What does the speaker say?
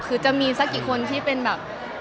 คือจะมีสักกี่คนที่เป็นแบบ